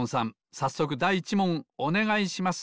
さっそくだい１もんおねがいします。